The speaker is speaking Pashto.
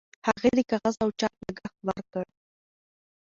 هغې د کاغذ او چاپ لګښت ورکړ.